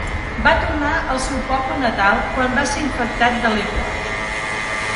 Va tornar al seu poble natal quan va ser infectat de lepra.